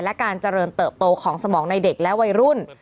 และการเจริญเติบโตของสมองในเด็กและวัยรุ่น